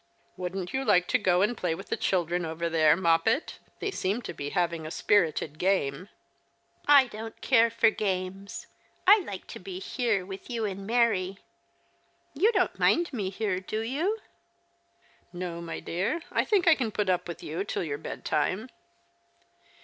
" Wouldn't you like to go and play with the children over there, 3Ioppet ? They seem to be having a spirited game." ," I don't care for games. I like to be here with you and Mary. You don't mind me here, do you ?" "Xo, my dear. I think I can put up with you till your bedtime."